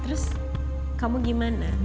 terus kamu gimana